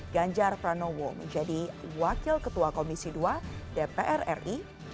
ganjar pranowo menjadi wakil ketua komisi dua dpr ri